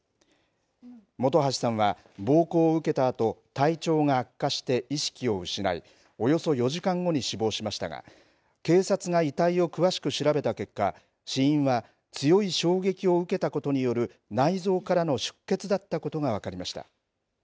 元橋さんは暴行を受けたあと体調が悪化して意識を失いおよそ４時間後に死亡しましたが警察が遺体を詳しく調べた結果死因は強い衝撃を受けたことによる内臓からの出血だったことが分かりました。